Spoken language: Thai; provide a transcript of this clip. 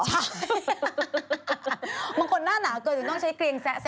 ใช่บางคนหน้าหนาเกินต้องใช้เกรียงแซะออกมา